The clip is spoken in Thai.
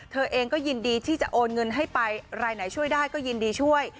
เธอเองก็ยินดีที่จะโอนเงินให้ไปรายไหนช่วยได้ก็ยินดีช่วย